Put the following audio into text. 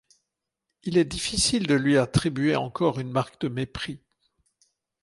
Il est difficile de lui attribuer encore une marque de mépris.